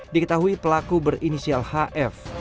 diketahui pelaku berinisial hf